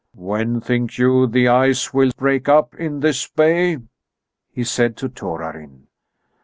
"When think you the ice will break up in this bay?" he said to Torarin.